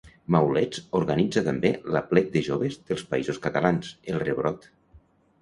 Maulets organitza també l'Aplec de Joves dels Països Catalans, el Rebrot.